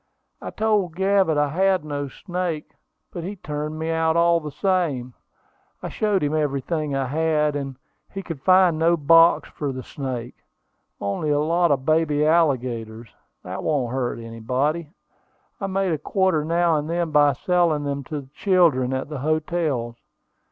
"I told Gavett I had no snake; but he turned me out, all the same. I showed him everything I had; and he could find no box for the snake: only a lot of baby alligators, that won't hurt anybody. I make a quarter now and then by selling them to the children at the hotels.